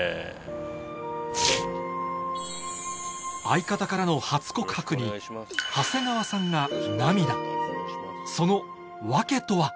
相方からの初告白に長谷川さんが涙その訳とは？